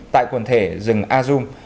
tại quần thể rừng arung